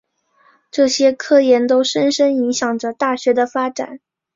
这些科研都深深影响着大学的发展。